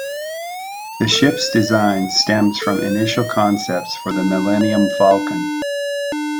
The ship's design stems from initial concepts for the "Millennium Falcon".